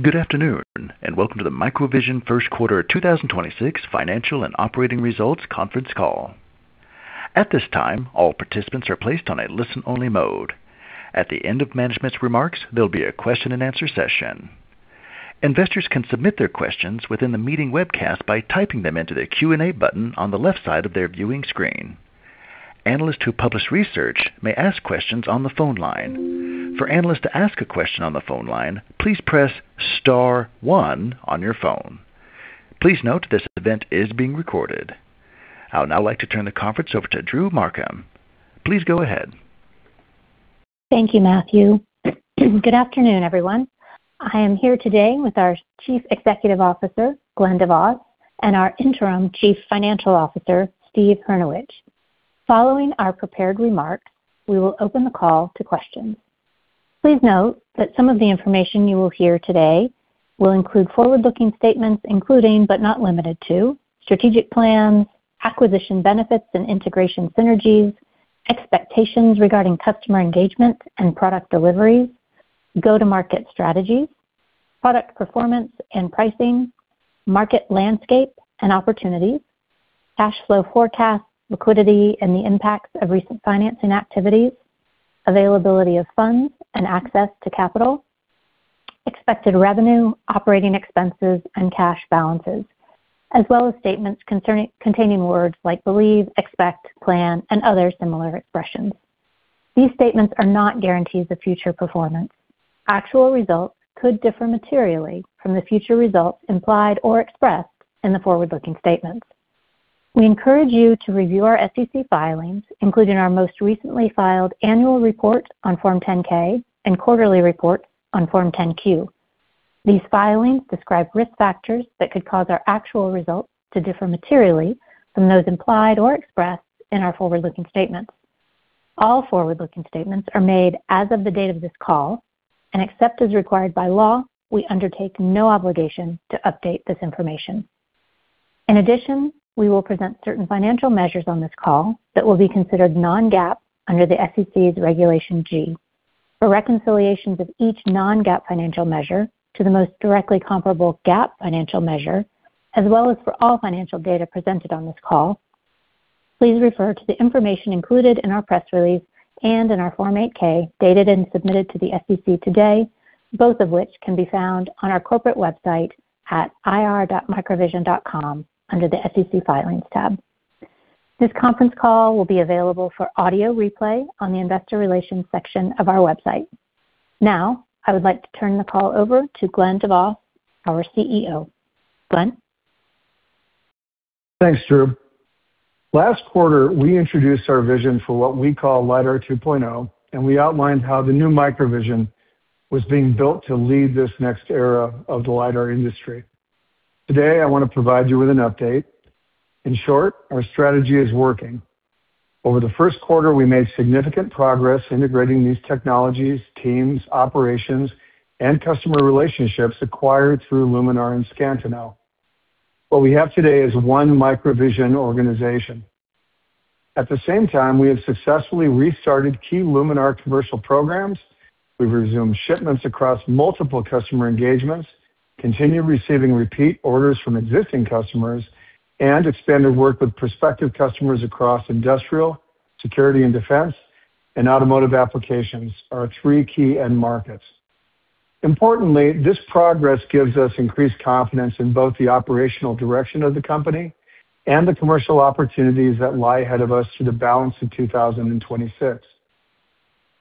Good afternoon, and welcome to the MicroVision first quarter 2026 financial and operating results conference call. At this time, all participants are placed on a listen-only mode. At the end of management's remarks, there'll be a question-and-answer session. Investors can submit their questions within the meeting webcast by typing them into the Q&A button on the left side of their viewing screen. Analysts who publish research may ask questions on the phone line. For analysts to ask a question on the phone line, please press star one on your phone. Please note this event is being recorded. I would now like to turn the conference over to Drew Markham. Please go ahead. Thank you, Matthew. Good afternoon, everyone. I am here today with our Chief Executive Officer, Glen DeVos, and our interim Chief Financial Officer, Steve Hrynewich. Following our prepared remarks, we will open the call to questions. Please note that some of the information you will hear today will include forward-looking statements, including, but not limited to strategic plans, acquisition benefits and integration synergies, expectations regarding customer engagement and product deliveries, go-to-market strategies, product performance and pricing, market landscape and opportunities, cash flow forecasts, liquidity, and the impacts of recent financing activities, availability of funds and access to capital, expected revenue, operating expenses, and cash balances, as well as statements concerning containing words like believe, expect, plan, and other similar expressions. These statements are not guarantees of future performance. Actual results could differ materially from the future results implied or expressed in the forward-looking statements. We encourage you to review our SEC filings, including our most recently filed annual report on Form 10-K and quarterly report on Form 10-Q. These filings describe risk factors that could cause our actual results to differ materially from those implied or expressed in our forward-looking statements. All forward-looking statements are made as of the date of this call, and except as required by law, we undertake no obligation to update this information. In addition, we will present certain financial measures on this call that will be considered non-GAAP under the SEC's Regulation G. For reconciliations of each non-GAAP financial measure to the most directly comparable GAAP financial measure, as well as for all financial data presented on this call, please refer to the information included in our press release and in our Form 8-K, dated and submitted to the SEC today, both of which can be found on our corporate website at ir.microvision.com under the SEC Filings tab. This conference call will be available for audio replay on the investor relations section of our website. Now, I would like to turn the call over to Glen DeVos, our CEO. Glen? Thanks, Drew. Last quarter, we introduced our vision for what we call Lidar 2.0, and we outlined how the new MicroVision was being built to lead this next era of the Lidar industry. Today, I want to provide you with an update. In short, our strategy is working. Over the first quarter, we made significant progress integrating these technologies, teams, operations, and customer relationships acquired through Luminar and Scantinel. What we have today is one MicroVision organization. At the same time, we have successfully restarted key Luminar commercial programs. We've resumed shipments across multiple customer engagements, continue receiving repeat orders from existing customers, and expanded work with prospective customers across industrial, security and defense, and automotive applications are our three key end markets. Importantly, this progress gives us increased confidence in both the operational direction of the company and the commercial opportunities that lie ahead of us through the balance of 2026.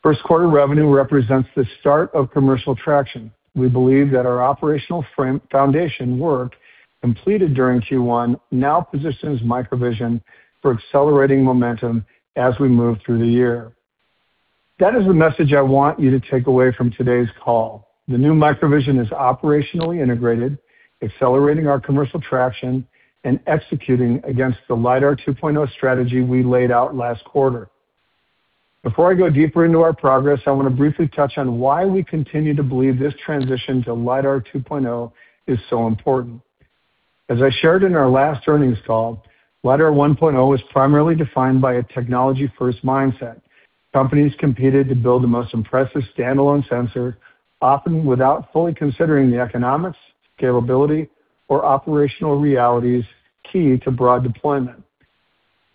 First quarter revenue represents the start of commercial traction. We believe that our operational foundation work completed during Q1 now positions MicroVision for accelerating momentum as we move through the year. That is the message I want you to take away from today's call. The new MicroVision is operationally integrated, accelerating our commercial traction and executing against the Lidar 2.0 strategy we laid out last quarter. Before I go deeper into our progress, I want to briefly touch on why we continue to believe this transition to Lidar 2.0 is so important. As I shared in our last earnings call, Lidar 1.0 was primarily defined by a technology-first mindset. Companies competed to build the most impressive standalone sensor, often without fully considering the economics, scalability, or operational realities key to broad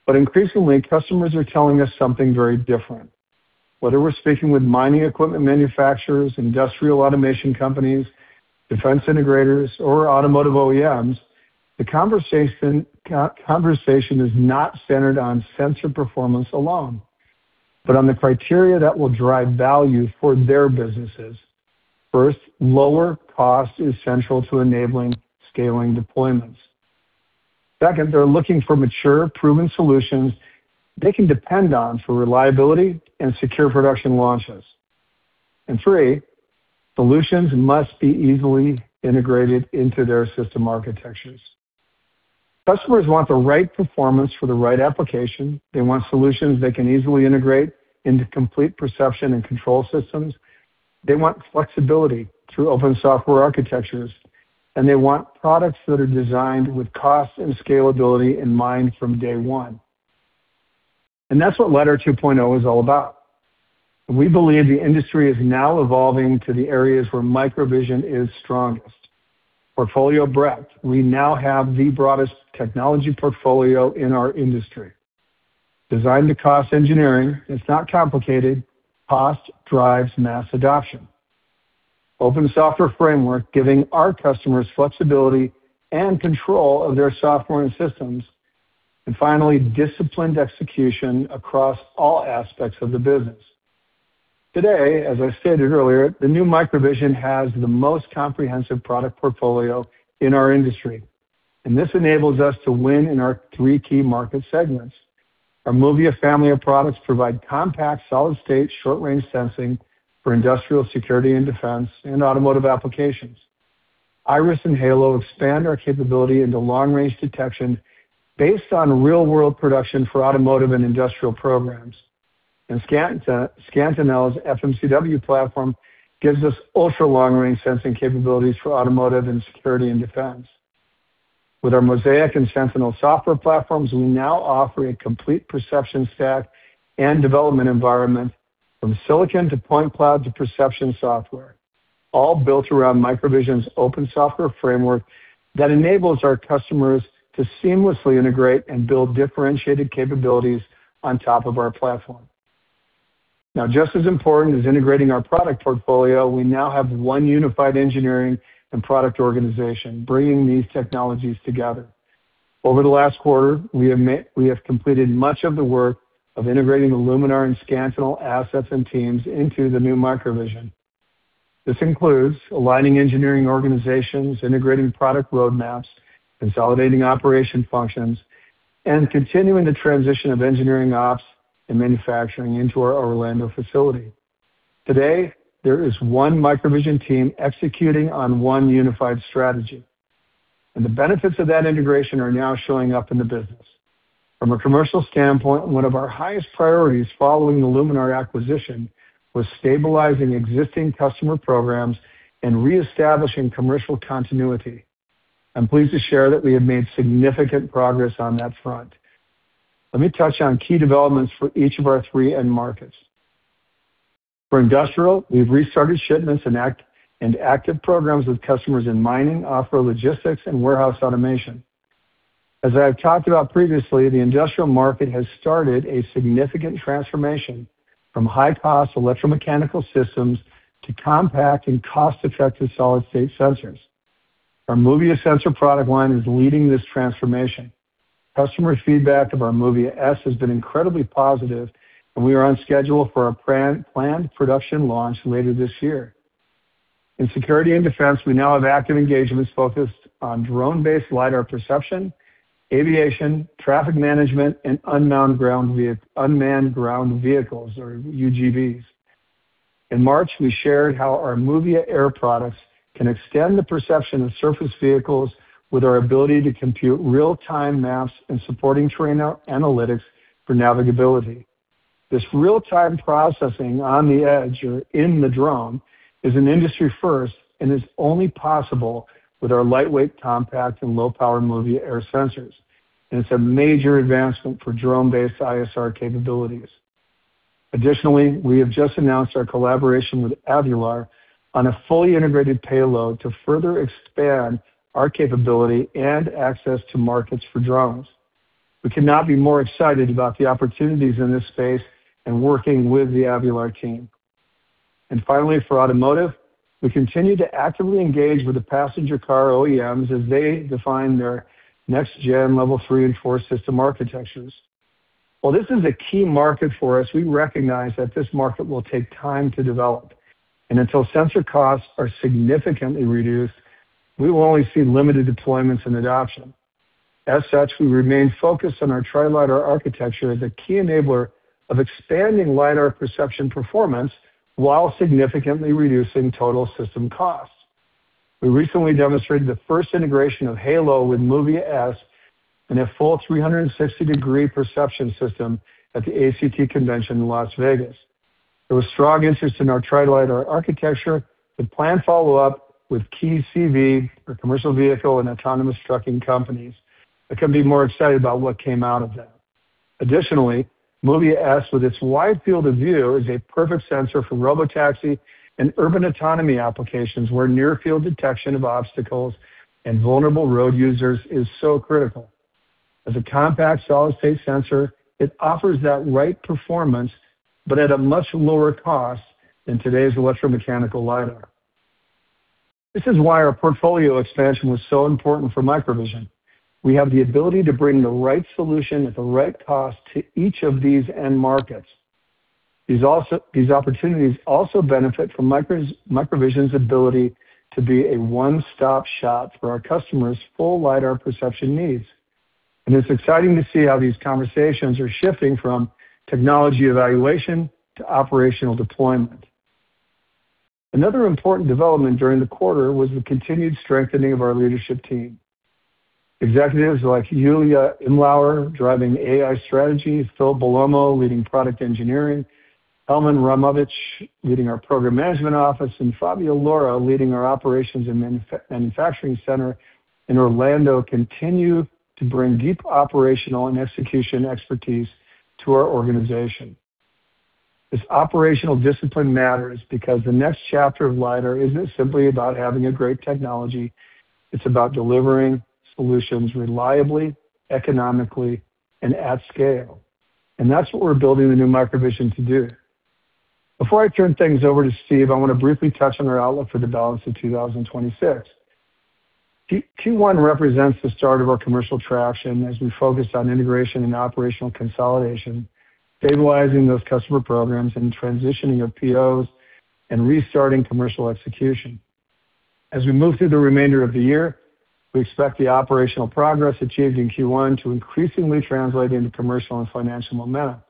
deployment. Increasingly, customers are telling us something very different. Whether we're speaking with mining equipment manufacturers, industrial automation companies, defense integrators or automotive OEMs, the conversation is not centered on sensor performance alone, but on the criteria that will drive value for their businesses. First, lower cost is central to enabling scaling deployments. Second, they're looking for mature, proven solutions they can depend on for reliability and secure production launches. Three, solutions must be easily integrated into their system architectures. Customers want the right performance for the right application. They want solutions they can easily integrate into complete perception and control systems. They want flexibility through open software architectures, they want products that are designed with cost and scalability in mind from day one. That's what Lidar 2.0 is all about. We believe the industry is now evolving to the areas where MicroVision is strongest. Portfolio breadth. We now have the broadest technology portfolio in our industry. Designed to cost engineering. It's not complicated. Cost drives mass adoption. Open software framework, giving our customers flexibility and control of their software and systems. Finally, disciplined execution across all aspects of the business. Today, as I stated earlier, the new MicroVision has the most comprehensive product portfolio in our industry, and this enables us to win in our three key market segments. Our MOVIA family of products provide compact, solid-state, short-range sensing for industrial security and defense and automotive applications. IRIS and HALO expand our capability into long-range detection based on real-world production for automotive and industrial programs. Scantinel's FMCW platform gives us ultra-long-range sensing capabilities for automotive and security and defense. With our MOSAIK and Sentinel software platforms, we now offer a complete perception stack and development environment from silicon to point cloud to perception software, all built around MicroVision's open software framework that enables our customers to seamlessly integrate and build differentiated capabilities on top of our platform. Just as important as integrating our product portfolio, we now have one unified engineering and product organization bringing these technologies together. Over the last quarter, we have completed much of the work of integrating the Luminar and Scantinel assets and teams into the new MicroVision. This includes aligning engineering organizations, integrating product roadmaps, consolidating operation functions, and continuing the transition of engineering ops and manufacturing into our Orlando facility. Today, there is one MicroVision team executing on one unified strategy, and the benefits of that integration are now showing up in the business. From a commercial standpoint, one of our highest priorities following the Luminar acquisition was stabilizing existing customer programs and reestablishing commercial continuity. I'm pleased to share that we have made significant progress on that front. Let me touch on key developments for each of our three end markets. For industrial, we've restarted shipments and active programs with customers in mining, off-road logistics, and warehouse automation. As I have talked about previously, the industrial market has started a significant transformation from high-cost electromechanical systems to compact and cost-effective solid-state sensors. Our MOVIA sensor product line is leading this transformation. Customer feedback of our MOVIA S has been incredibly positive, we are on schedule for our planned production launch later this year. In security and defense, we now have active engagements focused on drone-based Lidar perception, aviation, traffic management, and unmanned ground vehicles, or UGVs. In March, we shared how our MOVIA Air products can extend the perception of surface vehicles with our ability to compute real-time maps and supporting terrain analytics for navigability. This real-time processing on the edge or in the drone is an industry first and is only possible with our lightweight, compact, and low-power MOVIA Air sensors. It's a major advancement for drone-based ISR capabilities. Additionally, we have just announced our collaboration with Avular on a fully integrated payload to further expand our capability and access to markets for drones. We could not be more excited about the opportunities in this space and working with the Avular team. Finally, for automotive, we continue to actively engage with the passenger car OEMs as they define their next-gen Level 3 and 4 system architectures. While this is a key market for us, we recognize that this market will take time to develop. Until sensor costs are significantly reduced, we will only see limited deployments and adoption. As such, we remain focused on our Tri-Lidar architecture as a key enabler of expanding Lidar perception performance while significantly reducing total system costs. We recently demonstrated the first integration of HALO with MOVIA S in a full 360 degree perception system at the ACT Expo in Las Vegas. There was strong interest in our Tri-Lidar architecture with planned follow-up with key CV or commercial vehicle and autonomous trucking companies. I couldn't be more excited about what came out of that. Additionally, MOVIA S with its wide field of view is a perfect sensor for robotaxi and urban autonomy applications, where near-field detection of obstacles and vulnerable road users is so critical. As a compact solid-state sensor, it offers that right performance, at a much lower cost than today's electromechanical Lidar. This is why our portfolio expansion was so important for MicroVision. We have the ability to bring the right solution at the right cost to each of these end markets. These opportunities also benefit from MicroVision's ability to be a one-stop shop for our customers' full Lidar perception needs. It's exciting to see how these conversations are shifting from technology evaluation to operational deployment. Another important development during the quarter was the continued strengthening of our leadership team. Executives like Julia Imlauer driving AI strategy, Phil Bellomo leading product engineering, Helmin Ramovic, leading our program management office, and Fabio Laura, leading our operations and manufacturing center in Orlando, continue to bring deep operational and execution expertise to our organization. This operational discipline matters because the next chapter of Lidar isn't simply about having a great technology, it's about delivering solutions reliably, economically, and at scale. That's what we're building the new MicroVision to do. Before I turn things over to Steve, I wanna briefly touch on our outlook for the balance of 2026. Q1 represents the start of our commercial traction as we focus on integration and operational consolidation, stabilizing those customer programs and transitioning of POs and restarting commercial execution. As we move through the remainder of the year, we expect the operational progress achieved in Q1 to increasingly translate into commercial and financial momentum.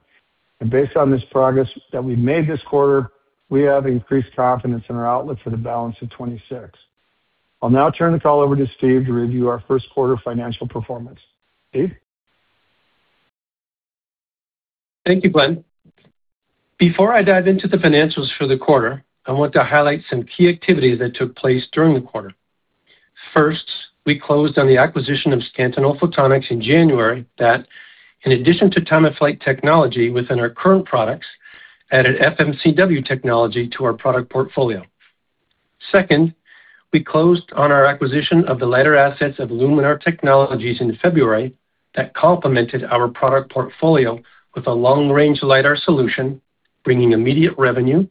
Based on this progress that we made this quarter, we have increased confidence in our outlook for the balance of 2026. I'll now turn the call over to Steve to review our first quarter financial performance. Steve? Thank you, Glen. Before I dive into the financials for the quarter, I want to highlight some key activities that took place during the quarter. First, we closed on the acquisition of Scantinel Photonics in January that, in addition to Time-of-Flight technology within our current products, added FMCW technology to our product portfolio. Second, we closed on our acquisition of the Lidar assets of Luminar Technologies in February that complemented our product portfolio with a long-range Lidar solution, bringing immediate revenue,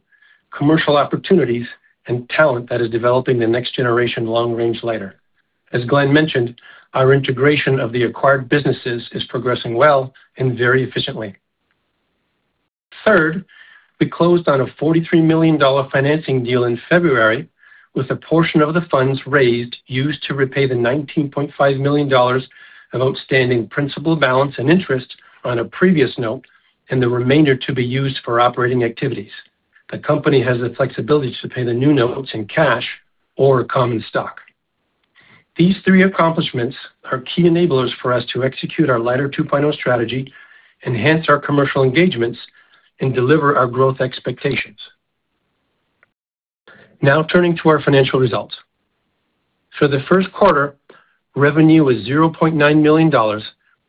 commercial opportunities, and talent that is developing the next generation long-range Lidar. As Glen mentioned, our integration of the acquired businesses is progressing well and very efficiently. Third, we closed on a $43 million financing deal in February, with a portion of the funds raised used to repay the $19.5 million of outstanding principal balance and interest on a previous note, and the remainder to be used for operating activities. The company has the flexibility to pay the new notes in cash or common stock. These three accomplishments are key enablers for us to execute our Lidar 2.0 strategy, enhance our commercial engagements, and deliver our growth expectations. Now turning to our financial results. For the first quarter, revenue was $0.9 million,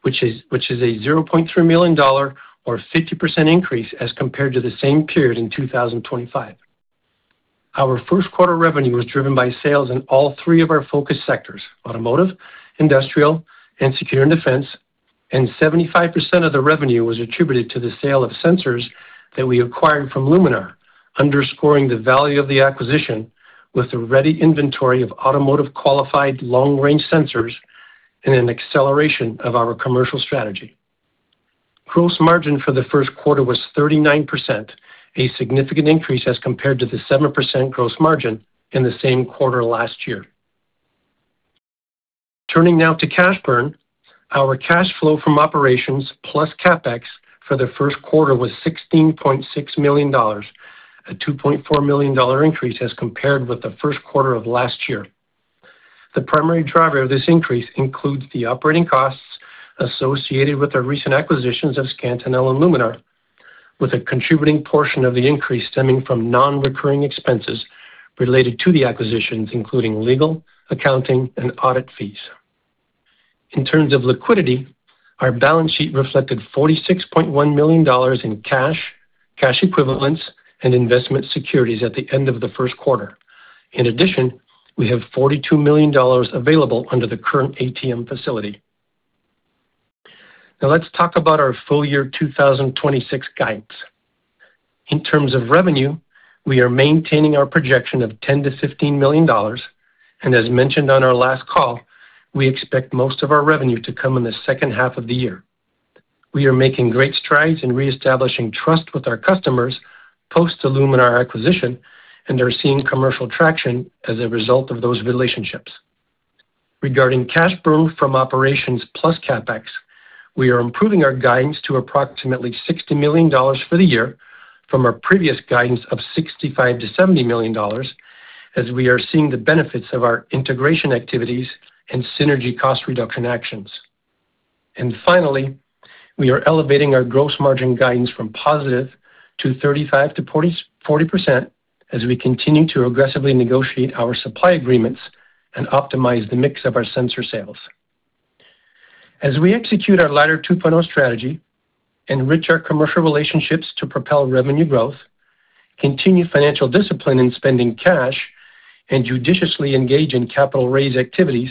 which is a $0.3 million or 50% increase as compared to the same period in 2025. Our first quarter revenue was driven by sales in all three of our focus sectors, automotive, industrial, and secure and defense, and 75% of the revenue was attributed to the sale of sensors that we acquired from Luminar, underscoring the value of the acquisition with a ready inventory of automotive qualified long-range sensors and an acceleration of our commercial strategy. Gross margin for the first quarter was 39%, a significant increase as compared to the 7% gross margin in the same quarter last year. Turning now to cash burn. Our cash flow from operations plus CapEx for the first quarter was $16.6 million, a $2.4 million increase as compared with the first quarter of last year. The primary driver of this increase includes the operating costs associated with the recent acquisitions of Scantinel and Luminar, with a contributing portion of the increase stemming from non-recurring expenses related to the acquisitions, including legal, accounting, and audit fees. In terms of liquidity, our balance sheet reflected $46.1 million in cash equivalents, and investment securities at the end of the first quarter. In addition, we have $42 million available under the current ATM facility. Now let's talk about our full year 2026 guidance. In terms of revenue, we are maintaining our projection of $10 million-$15 million, and as mentioned on our last call, we expect most of our revenue to come in the second half of the year. We are making great strides in reestablishing trust with our customers post the Luminar acquisition and are seeing commercial traction as a result of those relationships. Regarding cash burn from operations plus CapEx, we are improving our guidance to approximately $60 million for the year from our previous guidance of $65 million-$70 million, as we are seeing the benefits of our integration activities and synergy cost reduction actions. Finally, we are elevating our gross margin guidance from positive to 35%-40% as we continue to aggressively negotiate our supply agreements and optimize the mix of our sensor sales. As we execute our Lidar 2.0 strategy, enrich our commercial relationships to propel revenue growth, continue financial discipline in spending cash, and judiciously engage in capital raise activities,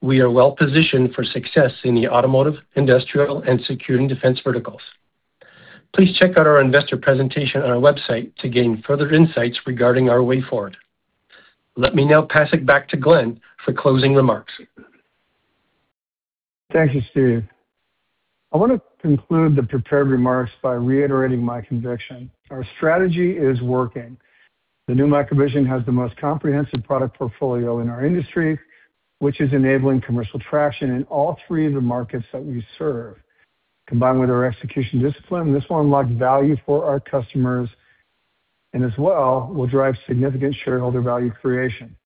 we are well-positioned for success in the automotive, industrial, and securing defense verticals. Please check out our investor presentation on our website to gain further insights regarding our way forward. Let me now pass it back to Glen for closing remarks. Thank you, Steve. I wanna conclude the prepared remarks by reiterating my conviction. Our strategy is working. The new MicroVision has the most comprehensive product portfolio in our industry, which is enabling commercial traction in all three of the markets that we serve. Combined with our execution discipline, this will unlock value for our customers and as well will drive significant shareholder value creation.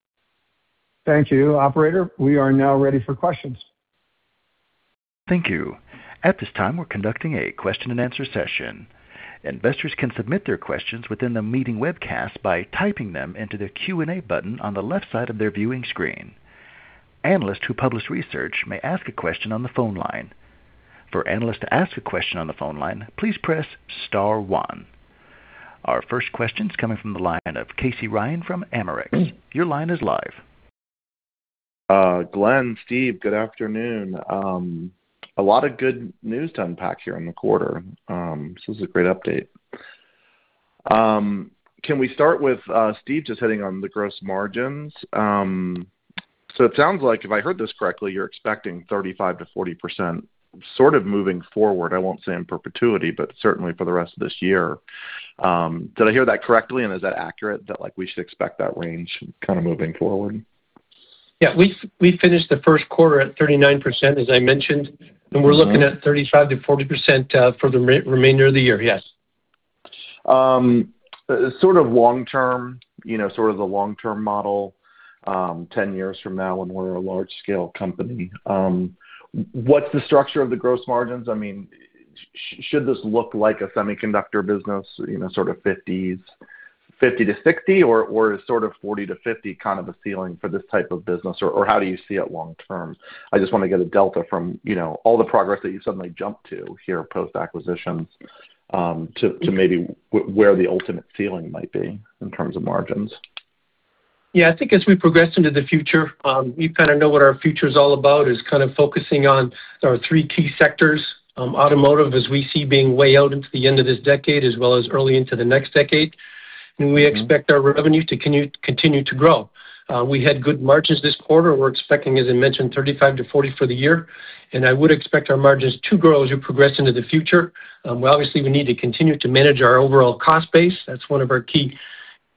Thank you, operator. We are now ready for questions. Thank you. At this time, we're conducting a question and answer session. Investors can submit their questions within the meeting webcast by typing them into the Q&A button on the left side of their viewing screen. Analysts who publish research may ask a question on the phone line. For analysts to ask a question on the phone line, please press star one. Our first question's coming from the line of Casey Ryan from AmerX. Your line is live. Glen, Steve, good afternoon. A lot of good news to unpack here in the quarter. This is a great update. Can we start with Steve, just hitting on the gross margins? It sounds like, if I heard this correctly, you're expecting 35%-40% sort of moving forward. I won't say in perpetuity, but certainly for the rest of this year. Did I hear that correctly, and is that accurate that, like, we should expect that range kind of moving forward? Yeah. We finished the first quarter at 39%, as I mentioned. We're looking at 35%-40% for the remainder of the year, yes. Sort of long term, you know, sort of the long-term model, 10 years from now when we're a large scale company, what's the structure of the gross margins? I mean, should this look like a semiconductor business, you know, sort of 50%, 50%-60%? Is sort of 40%-50% kind of a ceiling for this type of business? How do you see it long term? I just wanna get a delta from, you know, all the progress that you suddenly jumped to here post-acquisition, to maybe where the ultimate ceiling might be in terms of margins. Yeah. I think as we progress into the future, we kinda know what our future's all about, is kind of focusing on our three key sectors, automotive, as we see being way out into the end of this decade, as well as early into the next decade. We expect our revenue to continue to grow. We had good margins this quarter. We're expecting, as I mentioned, 35%-40% for the year, and I would expect our margins to grow as we progress into the future. Obviously we need to continue to manage our overall cost base. That's one of our key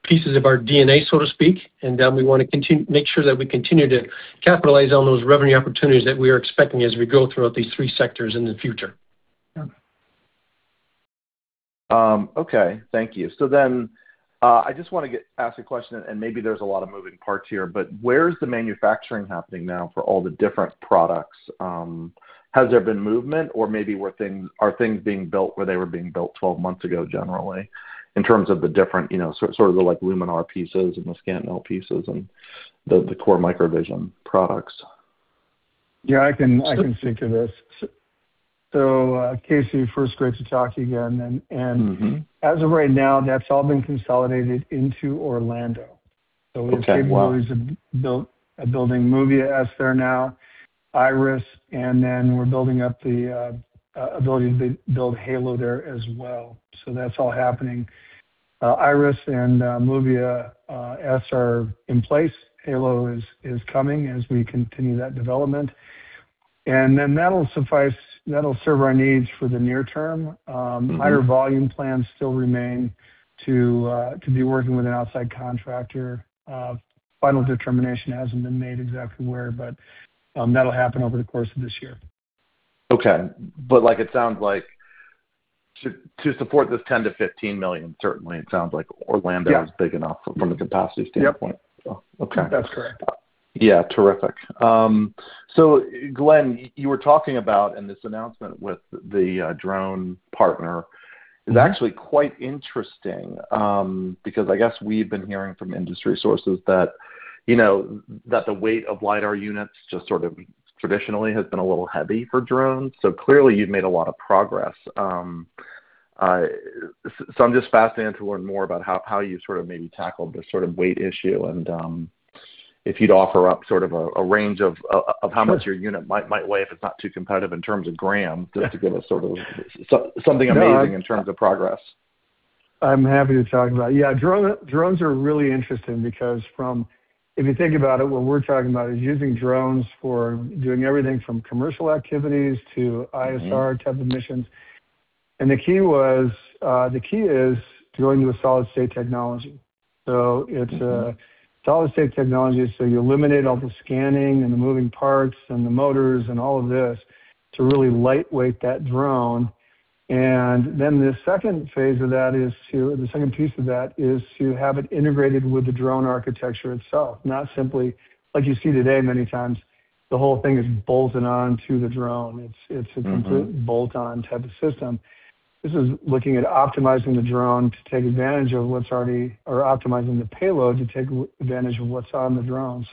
pieces of our DNA, so to speak. We wanna make sure that we continue to capitalize on those revenue opportunities that we are expecting as we go throughout these three sectors in the future. Okay. Thank you. I just want to ask a question, and maybe there's a lot of moving parts here, but where is the manufacturing happening now for all the different products? Has there been movement or maybe are things being built where they were being built 12 months ago generally in terms of the different, you know, sort of the, like, Luminar pieces and the Scantinel pieces and the core MicroVision products? Yeah, I can speak to this. Casey, first, great to talk to you again. As of right now, that's all been consolidated into Orlando. Okay. Wow. We have capabilities of building MOVIA S there now, IRIS, and then we're building up the ability to build HALO there as well. That's all happening. IRIS and MOVIA S are in place. HALO is coming as we continue that development. That'll suffice, that'll serve our needs for the near term, higher volume plans still remain to be working with an outside contractor. Final determination hasn't been made exactly where, but that'll happen over the course of this year. Okay. Like, it sounds like to support this $10 million-$15 million, certainly it sounds like Orlando. Yeah is big enough from a capacity standpoint. Yep. Okay. That's correct. Yeah. Terrific. Glen, you were talking about in this announcement with the drone partner. It's actually quite interesting, because I guess we've been hearing from industry sources that, you know, that the weight of Lidar units just sort of traditionally has been a little heavy for drones. Clearly you've made a lot of progress. So I'm just fascinated to learn more about how you sort of maybe tackled the sort of weight issue and, if you'd offer up sort of a range of how much your unit might weigh, if it's not too competitive in terms of grams, just to give us sort of something amazing in terms of progress? I'm happy to talk about it. Yeah. If you think about it, what we're talking about is using drones for doing everything from commercial activities to ISR type of missions. The key was, the key is going to a solid-state technology. It's a solid-state technology, so you eliminate all the scanning and the moving parts and the motors and all of this to really lightweight that drone. The second phase of that is the second piece of that is to have it integrated with the drone architecture itself, not simply like you see today, many times the whole thing is bolted on to the drone. It's a complete bolt-on type of system. This is looking at optimizing the drone to take advantage of what's already or optimizing the payload to take advantage of what's on the drone.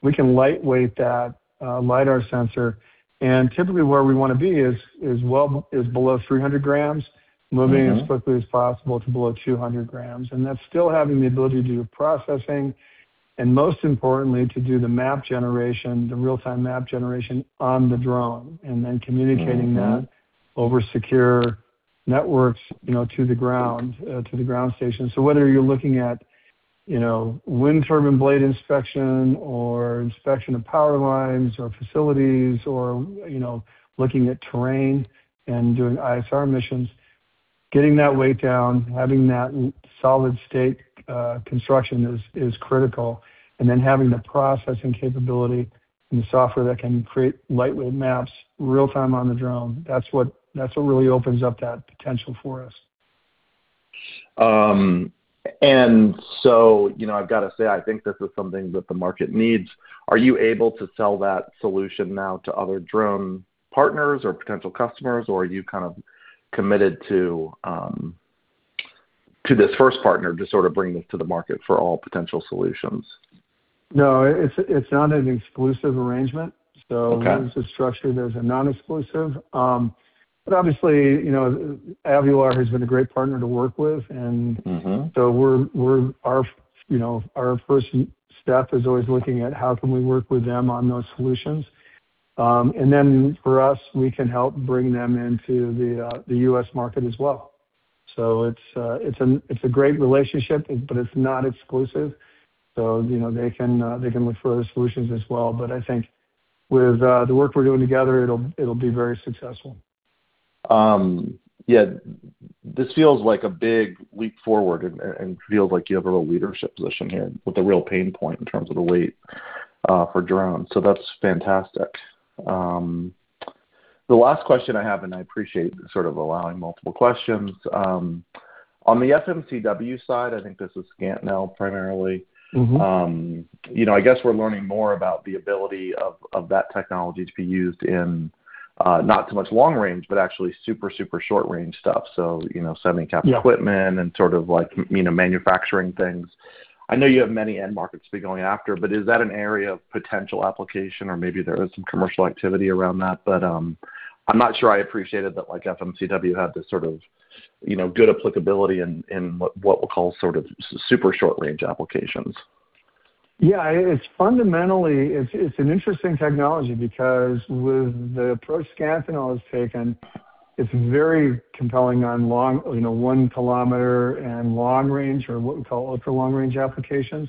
We can lightweight that Lidar sensor. Typically where we wanna be is well below 300 g. Moving as quickly as possible to below 200 g. That's still having the ability to do processing and most importantly, to do the map generation, the real-time map generation on the drone, and then communicating that over secure networks, you know, to the ground, to the ground station. Whether you're looking at, you know, wind turbine blade inspection or inspection of power lines or facilities or, you know, looking at terrain and doing ISR missions, getting that weight down, having that solid-state construction is critical. Having the processing capability and the software that can create lightweight maps real-time on the drone, that's what really opens up that potential for us. You know, I've gotta say, I think this is something that the market needs. Are you able to sell that solution now to other drone partners or potential customers, or are you kind of committed to this first partner to sort of bring this to the market for all potential solutions? No, it's not an exclusive arrangement. Okay. This is structured as a non-exclusive. Obviously, you know, Avular has been a great partner to work with. We're, you know, our first step is always looking at how can we work with them on those solutions. For us, we can help bring them into the U.S. market as well. It's a, it's a great relationship, but it's not exclusive. You know, they can look for other solutions as well. I think with the work we're doing together, it'll be very successful. Yeah. This feels like a big leap forward and feels like you have a real leadership position here with a real pain point in terms of the weight for drones. That's fantastic. The last question I have, and I appreciate sort of allowing multiple questions, on the FMCW side, I think this is Scantinel primarily. You know, I guess we're learning more about the ability of that technology to be used in, not so much long range, but actually super short range stuff. you know, semi-cap equipment. Yeah Sort of like, you know, manufacturing things. I know you have many end markets to be going after, but is that an area of potential application? Maybe there is some commercial activity around that, but I'm not sure I appreciated that, like, FMCW had this sort of, you know, good applicability in what we'll call sort of super short-range applications. Yeah. It's fundamentally an interesting technology because with the approach Scantinel has taken, it's very compelling on long, you know, 1 km and long range or what we call ultra long range applications.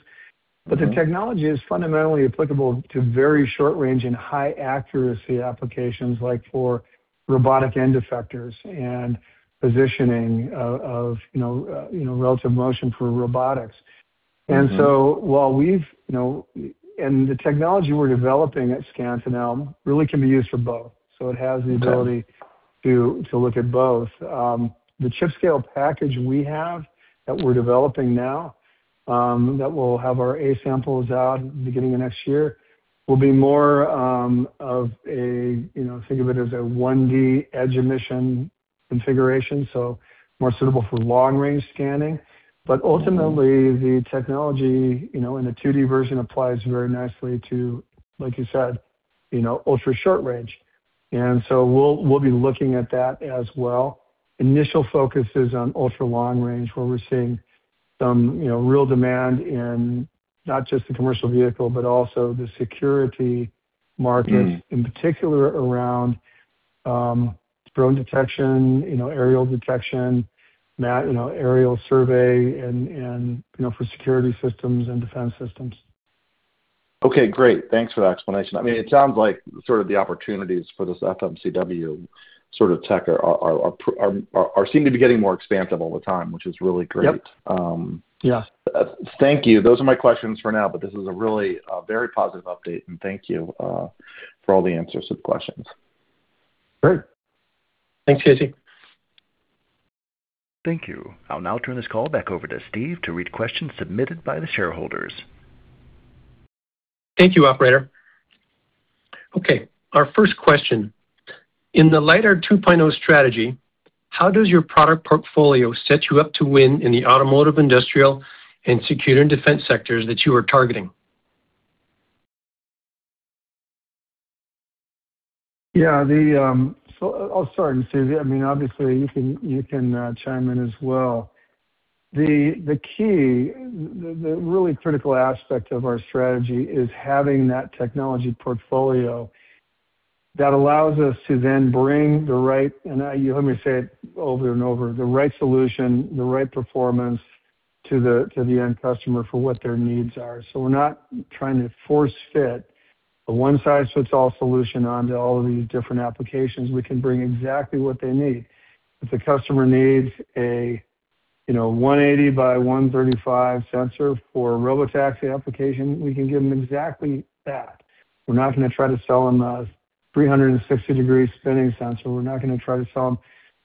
The technology is fundamentally applicable to very short range and high accuracy applications, like for robotic end effectors and positioning of, you know, you know, relative motion for robotics. The technology we're developing at Scantinel really can be used for both. Okay. It has the ability to look at both. The chip-scale package we have that we're developing now, that we'll have our A samples out beginning of next year, will be more of a, think of it as a 1D edge emission configuration, more suitable for long-range scanning. Ultimately, the technology, you know, in a 2D version applies very nicely to, like you said, you know, ultra short range. We'll be looking at that as well. Initial focus is on ultra long range, where we're seeing some, you know, real demand in not just the commercial vehicle, but also the security markets. In particular around drone detection, you know, aerial detection, you know, aerial survey and, you know, for security systems and defense systems. Okay, great. Thanks for that explanation. I mean, it sounds like sort of the opportunities for this FMCW sort of tech seem to be getting more expansive all the time, which is really great. Yep. Yeah. Thank you. Those are my questions for now, but this is a really, very positive update, and thank you, for all the answers to the questions. Great. Thanks, Casey. Thank you. I'll now turn this call back over to Steve to read questions submitted by the shareholders. Thank you, operator. Okay, our first question. In the Lidar 2.0 strategy, how does your product portfolio set you up to win in the automotive, industrial, and security and defense sectors that you are targeting? I'll start, and Steve, I mean, obviously, you can, you can chime in as well. The really critical aspect of our strategy is having that technology portfolio that allows us to then bring the right, and you'll hear me say it over and over, the right solution, the right performance to the end customer for what their needs are. We're not trying to force fit a one size fits all solution onto all of these different applications. We can bring exactly what they need. If the customer needs a, you know, 180 by 135 sensor for a robotaxi application, we can give them exactly that. We're not gonna try to sell them a 360 degrees spinning sensor. We're not gonna try to sell them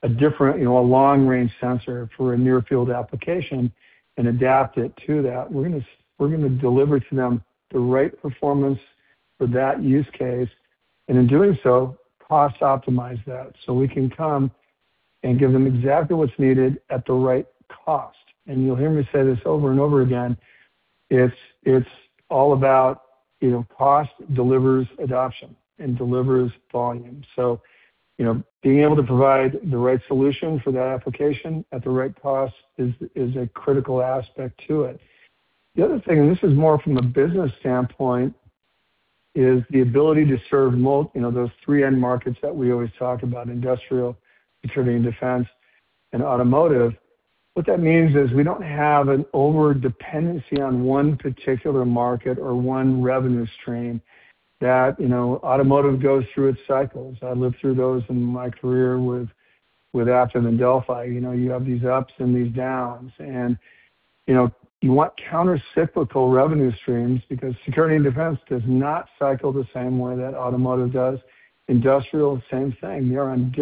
a different, you know, a long-range sensor for a near field application and adapt it to that. We're gonna deliver to them the right performance for that use case. In doing so, cost optimize that. We can come and give them exactly what's needed at the right cost. You'll hear me say this over and over again. It's all about, you know, cost delivers adoption and delivers volume. You know, being able to provide the right solution for that application at the right cost is a critical aspect to it. The other thing, and this is more from a business standpoint, is the ability to serve those three end markets that we always talk about, industrial, security and defense, and automotive. What that means is we don't have an overdependency on one particular market or one revenue stream that, you know, automotive goes through its cycles. I lived through those in my career with Aptiv and Delphi. You know, you have these ups and these downs. You know, you want countercyclical revenue streams because security and defense does not cycle the same way that automotive does. Industrial, same thing. They're on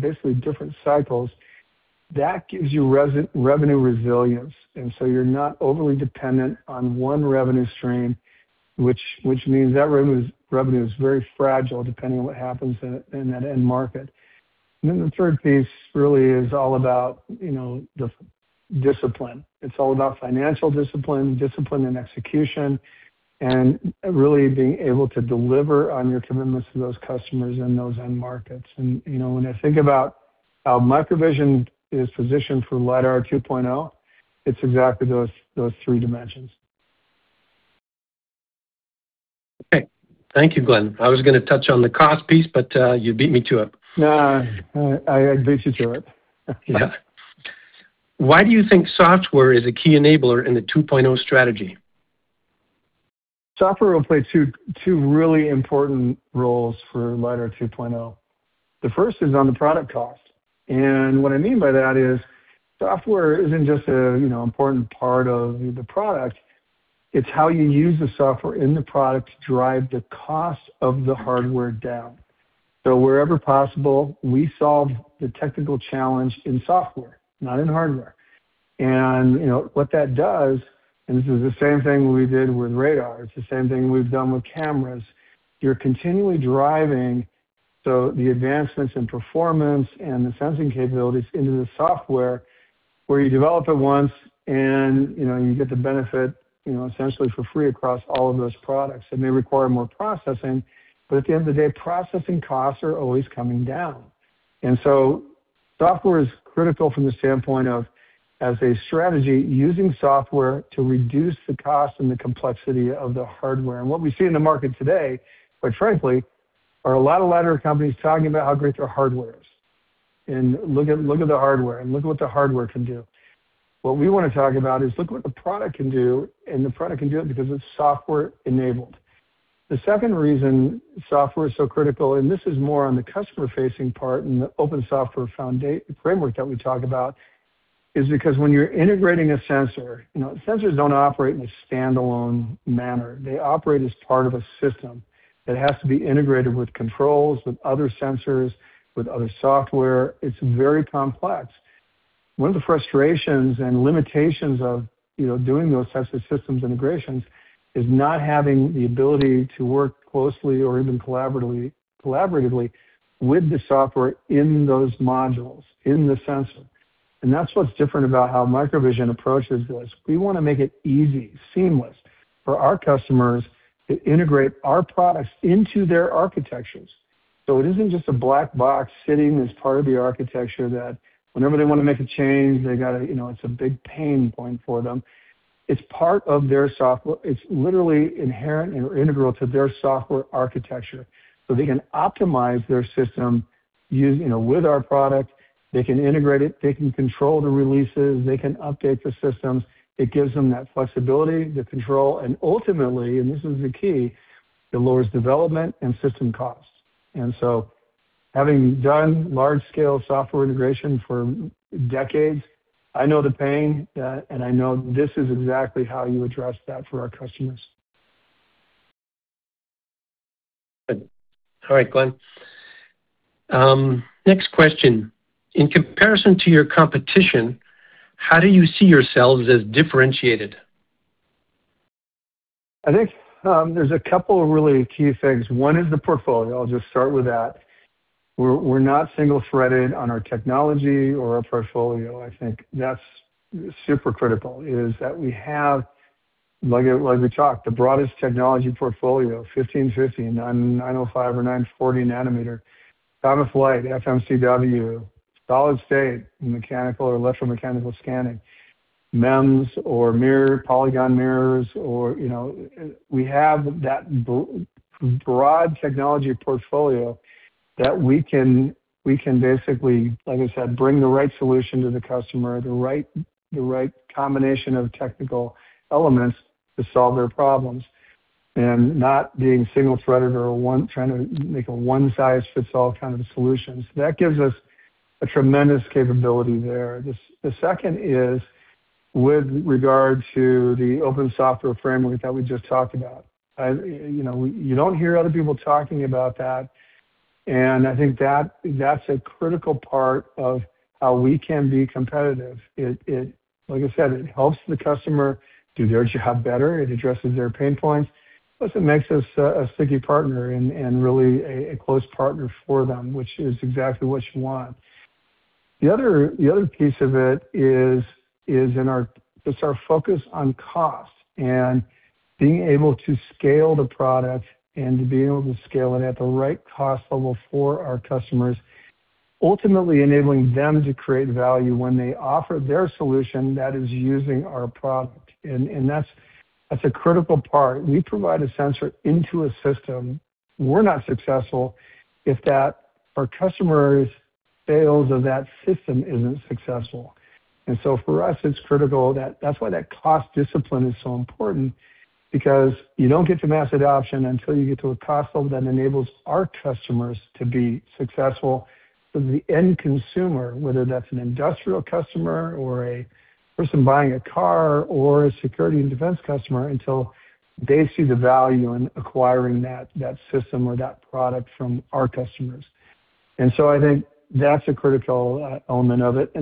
basically different cycles. That gives you revenue resilience, so you're not overly dependent on one revenue stream, which means that revenue is very fragile depending on what happens in that end market. The third piece really is all about, you know, the discipline. It's all about financial discipline and execution, and really being able to deliver on your commitments to those customers in those end markets. You know, when I think about how MicroVision is positioned for Lidar 2.0, it's exactly those three dimensions. Okay. Thank you, Glen. I was gonna touch on the cost piece, but you beat me to it. No, I beat you to it. Yeah. Why do you think software is a key enabler in the 2.0 strategy? Software will play two really important roles for Lidar 2.0. The first is on the product cost. What I mean by that is software isn't just a, you know, important part of the product. It's how you use the software in the product to drive the cost of the hardware down. Wherever possible, we solve the technical challenge in software, not in hardware. What that does, and this is the same thing we did with radar, it's the same thing we've done with cameras, you're continually driving the advancements in performance and the sensing capabilities into the software where you develop it once and, you know, you get the benefit, you know, essentially for free across all of those products. It may require more processing, at the end of the day, processing costs are always coming down. Software is critical from the standpoint of as a strategy using software to reduce the cost and the complexity of the hardware. What we see in the market today, quite frankly, are a lot of Lidar companies talking about how great their hardware is, and look at the hardware, and look at what the hardware can do. What we wanna talk about is look what the product can do, and the product can do it because it's software-enabled. The second reason software is so critical, this is more on the customer-facing part and the open software framework that we talk about, is because when you're integrating a sensor, you know, sensors don't operate in a standalone manner. They operate as part of a system that has to be integrated with controls, with other sensors, with other software. It's very complex. One of the frustrations and limitations of, you know, doing those types of systems integrations is not having the ability to work closely or even collaboratively with the software in those modules, in the sensor. That's what's different about how MicroVision approaches this. We wanna make it easy, seamless for our customers to integrate our products into their architectures. It isn't just a black box sitting as part of the architecture that whenever they wanna make a change, they gotta, you know, it's a big pain point for them. It's literally inherent and integral to their software architecture, so they can optimize their system, you know, with our product. They can integrate it. They can control the releases. They can update the systems. It gives them that flexibility, the control, and ultimately, this is the key, it lowers development and system costs. Having done large-scale software integration for decades, I know the pain, and I know this is exactly how you address that for our customers. Good. All right, Glen. Next question. In comparison to your competition, how do you see yourselves as differentiated? I think there's a couple of really key things. One is the portfolio. I'll just start with that. We're not single-threaded on our technology or our portfolio. I think that's super critical, is that we have, like we talked, the broadest technology portfolio, 1550 nm, 905 nm or 940 nm, Time-of-Flight, FMCW, solid state, mechanical or electromechanical scanning, MEMS or mirror, polygon mirrors or, you know. We have that broad technology portfolio that we can basically, like I said, bring the right solution to the customer, the right, the right combination of technical elements to solve their problems, and not being single-threaded or trying to make a one-size-fits-all kind of solution. That gives us a tremendous capability there. The second is with regard to the open software framework that we just talked about. I, you know, you don't hear other people talking about that. I think that's a critical part of how we can be competitive. It, like I said, it helps the customer do their job better. It addresses their pain points, plus it makes us a sticky partner and really a close partner for them, which is exactly what you want. The other piece of it is our focus on cost and being able to scale the product and being able to scale it at the right cost level for our customers, ultimately enabling them to create value when they offer their solution that is using our product. That's a critical part. We provide a sensor into a system. We're not successful if our customers fails or that system isn't successful. For us, it's critical that's why that cost discipline is so important, because you don't get to mass adoption until you get to a cost level that enables our customers to be successful. The end consumer, whether that's an industrial customer or a person buying a car or a security and defense customer, until they see the value in acquiring that system or that product from our customers. I think that's a critical element of it.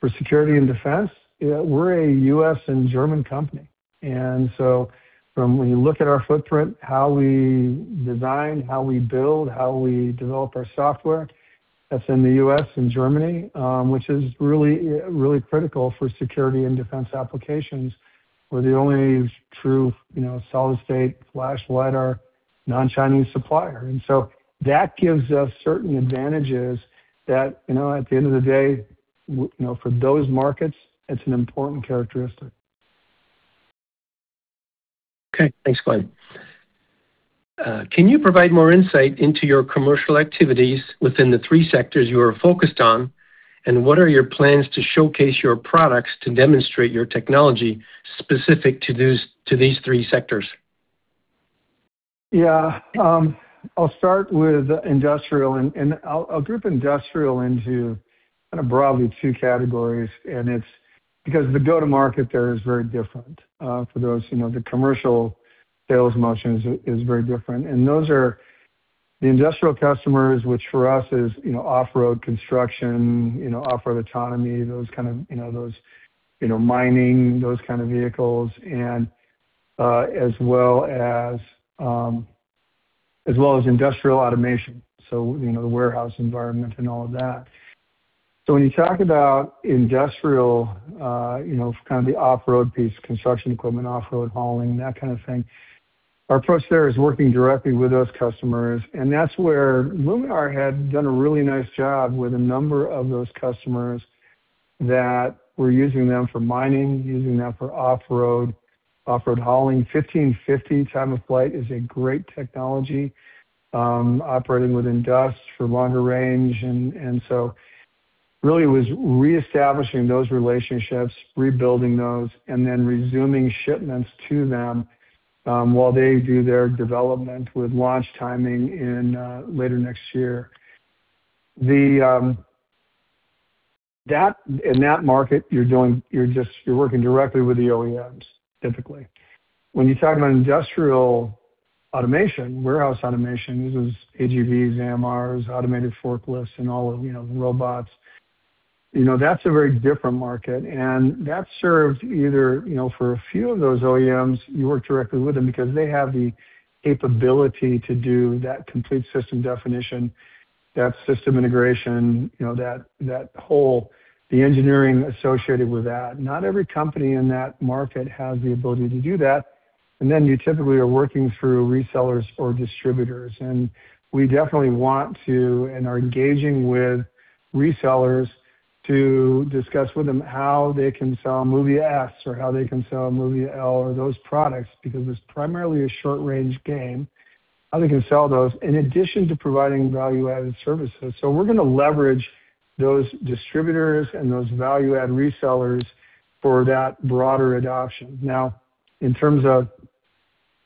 For security and defense, we're a U.S. and German company. From when you look at our footprint, how we design, how we build, how we develop our software, that's in the U.S. and Germany, which is really, really critical for security and defense applications. We're the only true, you know, solid-state flash Lidar non-Chinese supplier. That gives us certain advantages that, you know, at the end of the day, you know, for those markets, it's an important characteristic. Okay, thanks, Glen. Can you provide more insight into your commercial activities within the three sectors you are focused on? What are your plans to showcase your products to demonstrate your technology specific to these three sectors? I'll start with industrial, and I'll group industrial into kind of broadly two categories. It's because the go-to-market there is very different for those, you know, the commercial sales motion is very different. Those are the industrial customers, which for us is, you know, off-road construction, you know, off-road autonomy, those kind of, you know, mining, those kind of vehicles and as well as industrial automation. The warehouse environment and all of that. When you talk about industrial, you know, kind of the off-road piece, construction equipment, off-road hauling, that kind of thing, our approach there is working directly with those customers. That's where Luminar had done a really nice job with a number of those customers that were using them for mining, using them for off-road, off-road hauling. 1550 Time-of-Flight is a great technology, operating within dust for longer range. Really was reestablishing those relationships, rebuilding those, and then resuming shipments to them, while they do their development with launch timing in later next year. In that market, you're working directly with the OEMs, typically. When you talk about industrial automation, warehouse automation, this is AGVs, AMRs, automated forklifts, and all of, you know, the robots. You know, that's a very different market, that serves either, you know, for a few of those OEMs, you work directly with them because they have the capability to do that complete system definition, that system integration, you know, that whole, the engineering associated with that. Not every company in that market has the ability to do that. Then you typically are working through resellers or distributors. We definitely want to and are engaging with resellers to discuss with them how they can sell MOVIA S or how they can sell MOVIA L or those products, because it's primarily a short-range game, how they can sell those in addition to providing value-added services. We're gonna leverage those distributors and those value-add resellers for that broader adoption. In terms of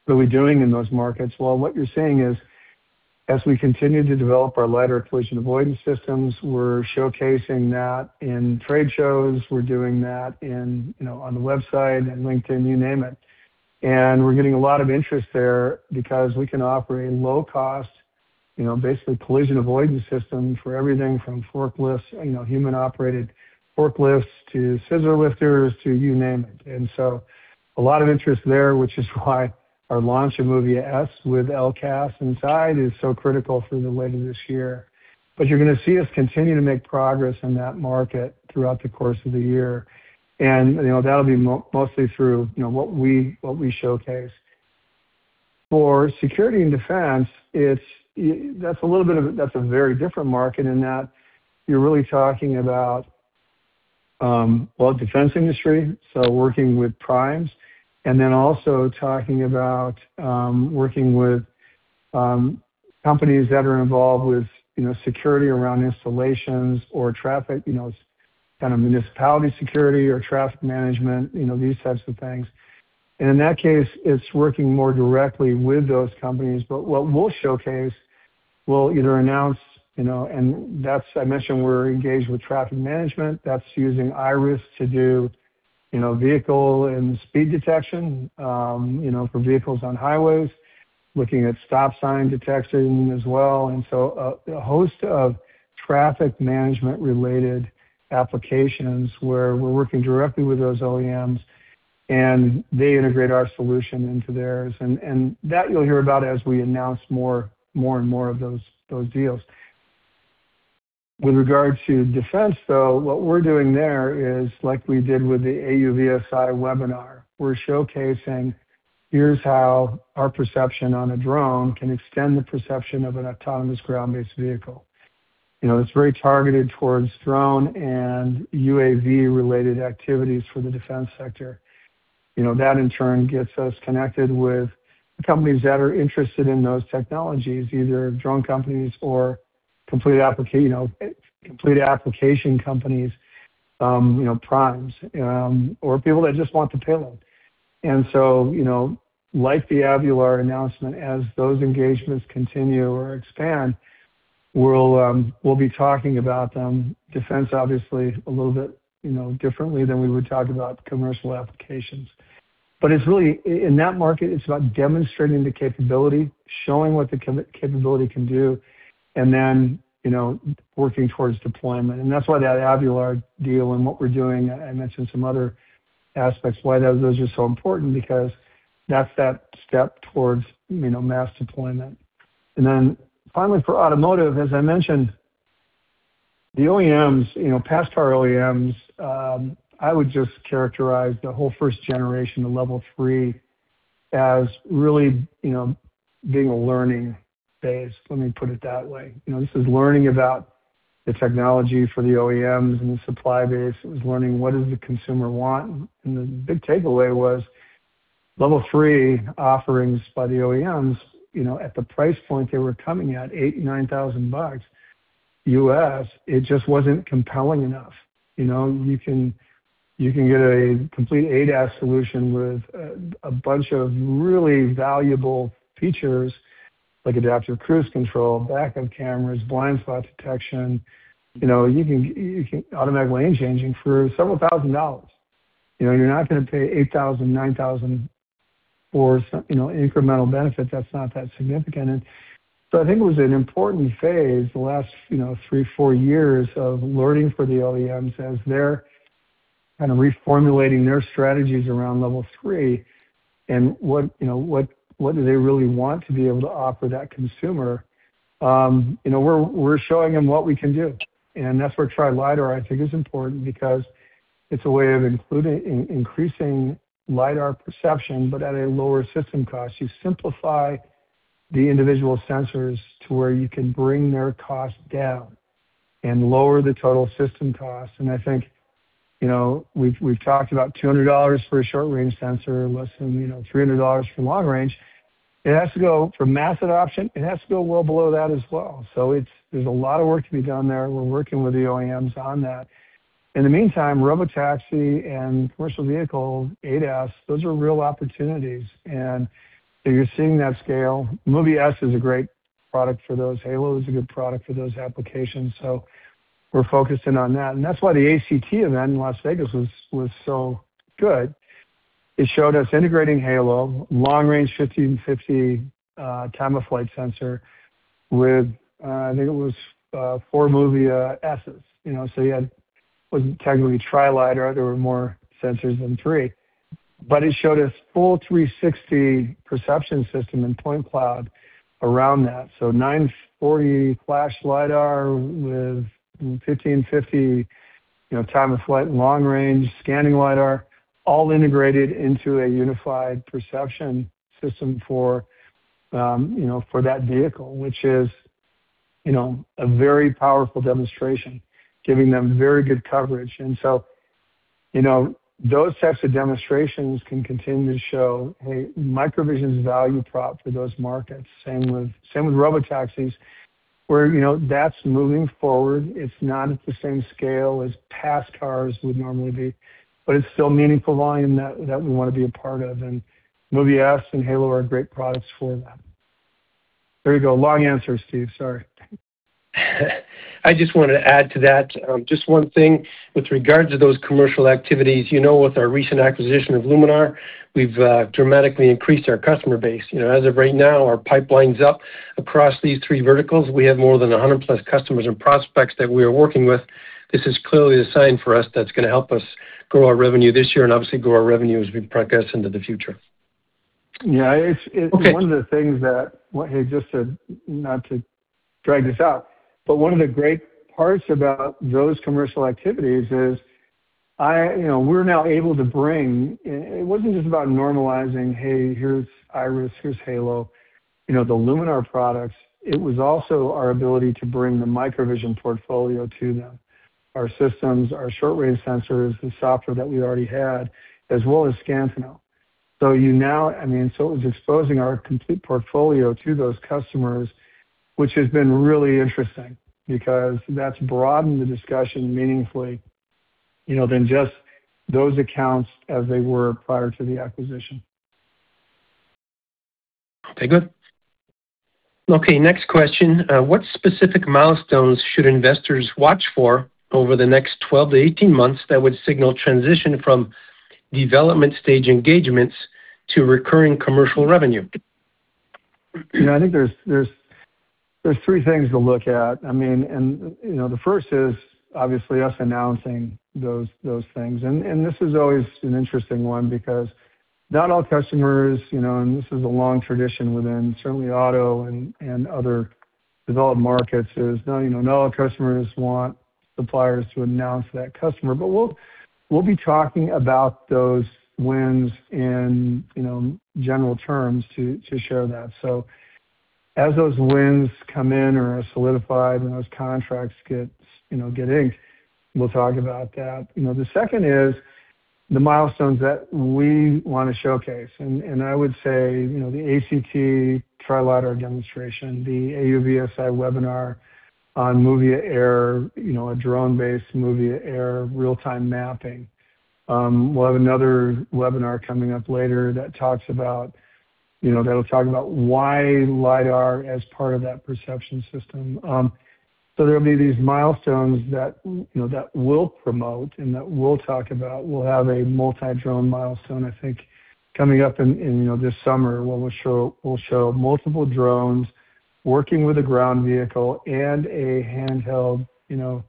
what we're doing in those markets, well, what you're seeing is as we continue to develop our Lidar collision avoidance systems, we're showcasing that in trade shows. We're doing that in, you know, on the website and LinkedIn, you name it. We're getting a lot of interest there because we can offer a low cost, you know, basically collision avoidance system for everything from forklifts, you know, human-operated forklifts to scissor lifters to you name it. A lot of interest there, which is why our launch of MOVIA S with L-CAS inside is so critical for the later this year. You're gonna see us continue to make progress in that market throughout the course of the year. You know, that'll be mostly through, you know, what we showcase. For security and defense, that's a very different market in that you're really talking about, well, defense industry, so working with primes, then also talking about, working with companies that are involved with, you know, security around installations or traffic, you know, kind of municipality security or traffic management, you know, these types of things. In that case, it's working more directly with those companies. What we'll showcase, we'll either announce, you know, that's, I mentioned we're engaged with traffic management. That's using IRIS to do, you know, vehicle and speed detection, you know, for vehicles on highways, looking at stop sign detection as well. So a host of traffic management-related applications where we're working directly with those OEMs, they integrate our solution into theirs. That you'll hear about as we announce more and more of those deals. With regards to defense, though, what we're doing there is like we did with the AUVSI webinar. We're showcasing, here's how our perception on a drone can extend the perception of an autonomous ground-based vehicle. You know, it's very targeted towards drone and UAV-related activities for the defense sector. You know, that in turn gets us connected with companies that are interested in those technologies, either drone companies or complete application companies, you know, primes, or people that just want the payload. You know, like the Avular announcement, as those engagements continue or expand, we'll be talking about them, defense obviously a little bit, you know, differently than we would talk about commercial applications. It's really in that market, it's about demonstrating the capability, showing what the capability can do, and then, you know, working towards deployment. That's why that Avular deal and what we're doing, I mentioned some other aspects why those are so important because that's that step towards, you know, mass deployment. Then finally, for automotive, as I mentioned, the OEMs, you know, past our OEMs, I would just characterize the whole first generation of Level 3 as really, you know, being a learning phase. Let me put it that way. You know, this is learning about the technology for the OEMs and the supply base. It was learning what does the consumer want. The big takeaway was Level 3 offerings by the OEMs, you know, at the price point they were coming at, $8,000-$9,000 US, it just wasn't compelling enough. You know, you can get a complete ADAS solution with a bunch of really valuable features like adaptive cruise control, backup cameras, blind spot detection. You know, you can automatic lane changing for several thousand dollars. You know, you're not gonna pay $8,000, $9,000 for some, you know, incremental benefit that's not that significant. I think it was an important phase the last, you know, three, four years of learning for the OEMs as they're kind of reformulating their strategies around Level 3 and what, you know, what do they really want to be able to offer that consumer. You know, we're showing them what we can do. That's where Tri-Lidar, I think, is important because it's a way of including increasing Lidar perception, but at a lower system cost. You simplify the individual sensors to where you can bring their cost down and lower the total system cost. I think, you know, we've talked about $200 for a short-range sensor, less than, you know, $300 for long range. It has to go, for mass adoption, it has to go well below that as well. It's, there's a lot of work to be done there. We're working with the OEMs on that. In the meantime, robotaxi and commercial vehicle ADAS, those are real opportunities. You're seeing that scale. MOVIA S is a great product for those. HALO is a good product for those applications, so we're focusing on that. That's why the ACT event in Las Vegas was so good. It showed us integrating HALO, long-range 1550 Time-of-Flight sensor with, I think it was, four MOVIA S's. You know, it wasn't technically Tri-Lidar. There were more sensors than three. It showed us full 360 perception system and point cloud around that. 940 flash Lidar with 1550, you know, Time-of-Flight long-range scanning Lidar all integrated into a unified perception system for, you know, for that vehicle, which is, you know, a very powerful demonstration, giving them very good coverage. You know, those types of demonstrations can continue to show, hey, MicroVision's value prop for those markets. Same with robotaxis, where, you know, that's moving forward. It's not at the same scale as passenger cars would normally be, but it's still meaningful volume that we wanna be a part of MOVIA S and HALO are great products for that. There you go. Long answers, Steve. Sorry. I just wanna add to that, just one thing. With regards to those commercial activities, you know, with our recent acquisition of Luminar, we've dramatically increased our customer base. You know, as of right now, our pipeline's up across these three verticals. We have more than 100 plus customers and prospects that we are working with. This is clearly a sign for us that's gonna help us grow our revenue this year and obviously grow our revenue as we progress into the future. Yeah, it's. Okay. One of the things that what he just said, not to drag this out, but one of the great parts about those commercial activities is You know, we're now able to bring It wasn't just about normalizing, "Hey, here's IRIS, here's HALO," you know, the Luminar products. It was also our ability to bring the MicroVision portfolio to them, our systems, our short-range sensors, the software that we already had, as well as Scantinel. I mean, it was exposing our complete portfolio to those customers, which has been really interesting because that's broadened the discussion meaningfully, you know, than just those accounts as they were prior to the acquisition. Okay, good. Okay, next question. What specific milestones should investors watch for over the next 12 to 18 months that would signal transition from development stage engagements to recurring commercial revenue? You know, I think there's three things to look at. I mean, you know, the first is obviously us announcing those things. This is always an interesting one because not all customers, you know, and this is a long tradition within certainly auto and other developed markets, is, you know, not all customers want suppliers to announce that customer. We'll be talking about those wins in, you know, general terms to share that. As those wins come in or are solidified and those contracts get, you know, inked, we'll talk about that. You know, the second is the milestones that we wanna showcase. I would say, you know, the ACT Tri-Lidar demonstration, the AUVSI webinar on MOVIA Air, you know, a drone-based MOVIA Air real-time mapping. We'll have another webinar coming up later that talks about, you know, that'll talk about why Lidar as part of that perception system. There'll be these milestones that, you know, that we'll promote and that we'll talk about. We'll have a multi-drone milestone, I think, coming up in, you know, this summer where we'll show, we'll show multiple drones working with a ground vehicle and a handheld, you know,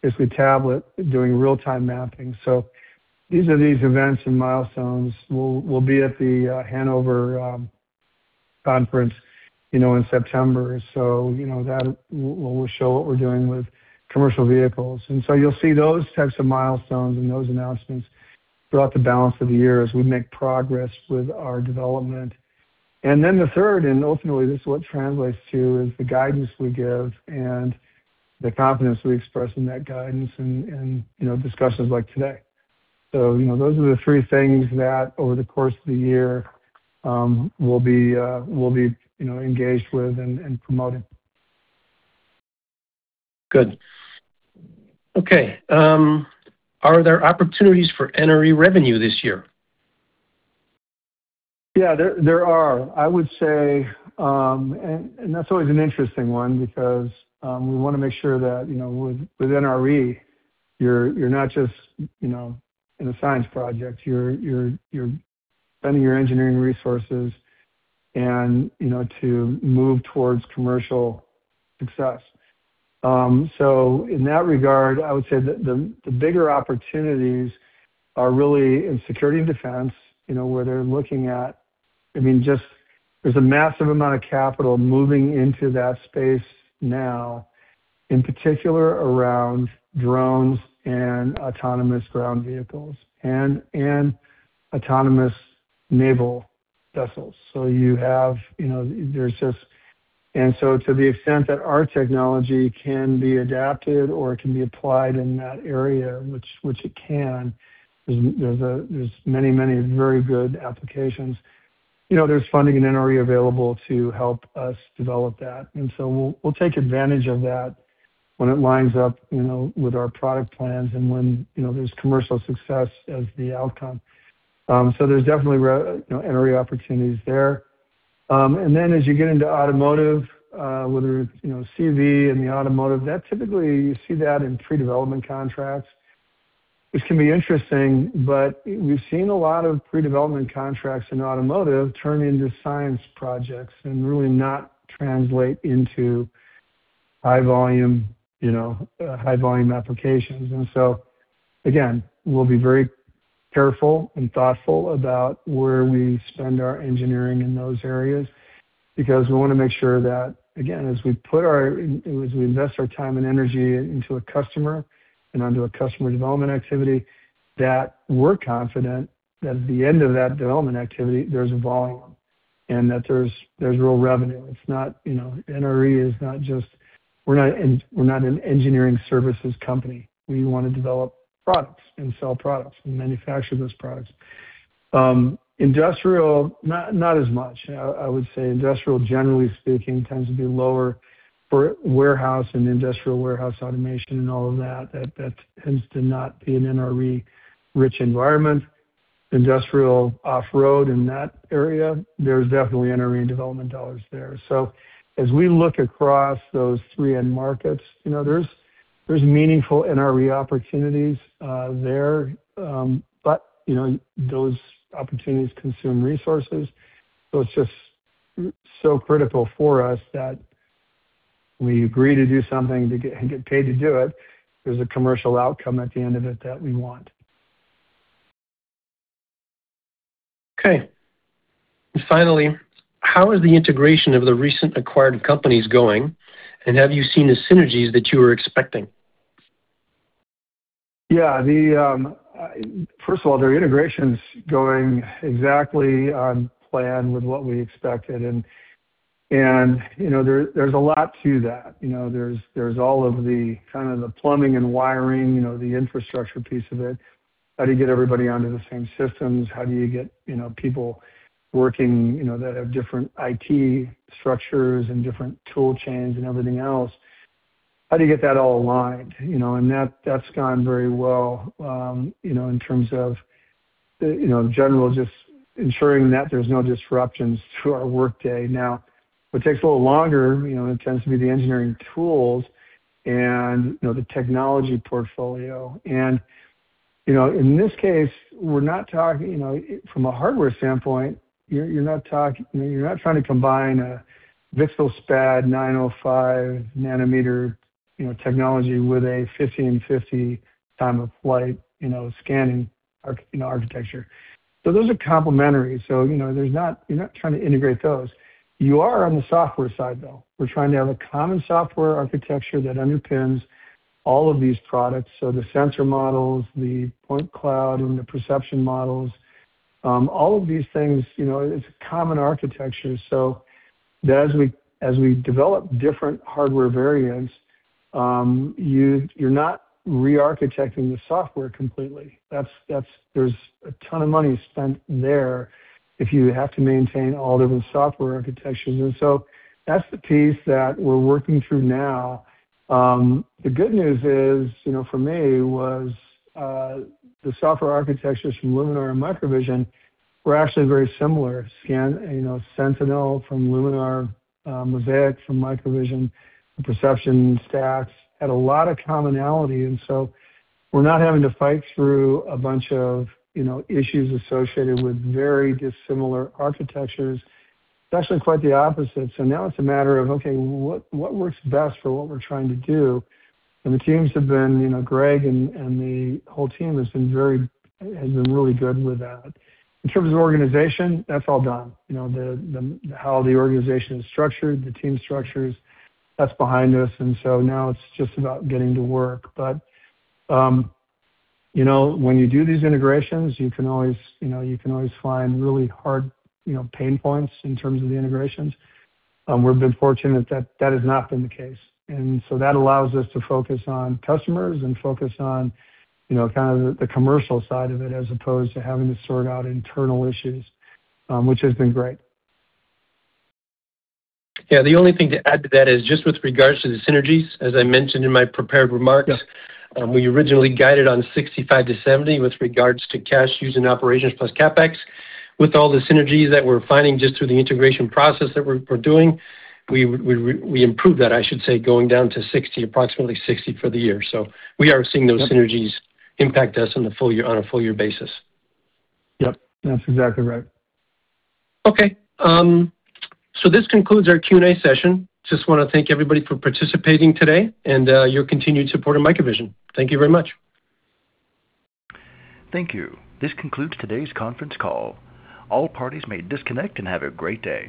basically tablet doing real-time mapping. These are these events and milestones. We'll be at the Hannover conference, you know, in September. That we'll show what we're doing with commercial vehicles. You'll see those types of milestones and those announcements throughout the balance of the year as we make progress with our development. The third, and ultimately this is what translates to, is the guidance we give and the confidence we express in that guidance and, you know, discussions like today. You know, those are the three things that over the course of the year, we'll be, you know, engaged with and promoting. Good. Okay. Are there opportunities for NRE revenue this year? Yeah, there are. I would say, that's always an interesting one because we wanna make sure that, you know, with NRE, you're not just, you know, in a science project. You're spending your engineering resources and, you know, to move towards commercial success. In that regard, I would say that the bigger opportunities are really in security and defense, you know, where they're looking at, I mean, just there's a massive amount of capital moving into that space now, in particular around drones and autonomous ground vehicles and autonomous naval vessels. You have, you know, there's just To the extent that our technology can be adapted or it can be applied in that area, which it can, there's a many very good applications. You know, there's funding in NRE available to help us develop that. We'll take advantage of that when it lines up, you know, with our product plans and when, you know, there's commercial success as the outcome. There's definitely, you know, NRE opportunities there. As you get into automotive, whether it's, you know, CV and the automotive, that typically you see that in pre-development contracts, which can be interesting, but we've seen a lot of pre-development contracts in automotive turn into science projects and really not translate into high volume, you know, high volume applications. Again, we'll be very careful and thoughtful about where we spend our engineering in those areas because we wanna make sure that, again, as we invest our time and energy into a customer and onto a customer development activity, that we're confident that at the end of that development activity, there's volume and that there's real revenue. It's not, you know, NRE is not just. We're not an engineering services company. We wanna develop products and sell products and manufacture those products. Industrial, not as much. I would say industrial, generally speaking, tends to be lower for warehouse and industrial warehouse automation and all of that. That tends to not be an NRE-rich environment. Industrial off-road in that area, there's definitely NRE development dollars there. As we look across those three end markets, you know, there's meaningful NRE opportunities there. You know, those opportunities consume resources. It's just so critical for us that we agree to do something to get, and get paid to do it, there's a commercial outcome at the end of it that we want. Okay. Finally, how is the integration of the recent acquired companies going, and have you seen the synergies that you were expecting? The first of all, their integration's going exactly on plan with what we expected. There's a lot to that. There's all of the kind of the plumbing and wiring, the infrastructure piece of it. How do you get everybody onto the same systems? How do you get people working that have different IT structures and different tool chains and everything else? How do you get that all aligned? That's gone very well in terms of the in general just ensuring that there's no disruptions to our workday. What takes a little longer, it tends to be the engineering tools and the technology portfolio. You know, in this case, we're not talking, you know, from a hardware standpoint, you're not trying to combine a VCSEL SPAD 905 nm, you know, technology with a 1550 Time-of-Flight, you know, architecture. Those are complementary, so, you know, you're not trying to integrate those. You are on the software side though. We're trying to have a common software architecture that underpins all of these products, so the sensor models, the point cloud and the perception models, all of these things, you know, it's a common architecture. As we develop different hardware variants, you're not re-architecting the software completely. That's there's a ton of money spent there if you have to maintain all different software architectures. That's the piece that we're working through now. The good news is, for me, was, the software architectures from Luminar and MicroVision were actually very similar. Sentinel from Luminar, Mosaic from MicroVision, the perception stacks had a lot of commonality. We're not having to fight through a bunch of issues associated with very dissimilar architectures. It's actually quite the opposite. Now it's a matter of, okay, what works best for what we're trying to do? The teams have been, Greg and the whole team has been really good with that. In terms of organization, that's all done. The, how the organization is structured, the team structures, that's behind us. Now it's just about getting to work. You know, when you do these integrations, you can always, you know, you can always find really hard, you know, pain points in terms of the integrations. We've been fortunate that that has not been the case. That allows us to focus on customers and focus on, you know, kind of the commercial side of it as opposed to having to sort out internal issues, which has been great. Yeah. The only thing to add to that is just with regards to the synergies, as I mentioned in my prepared remarks. Yeah We originally guided on $65 million-$70 million with regards to cash usedoperations plus CapEx. With all the synergies that we're finding just through the integration process that we're doing, we improved that, I should say, going down to approximately $60 million for the year. We are seeing those synergies impact us on a full year basis. Yep, that's exactly right. Okay. This concludes our Q&A session. Just wanna thank everybody for participating today and your continued support of MicroVision. Thank you very much. Thank you. This concludes today's conference call. All parties may disconnect and have a great day.